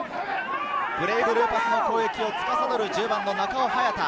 ブレイブルーパスの攻撃をつかさどる１０番・中尾隼太。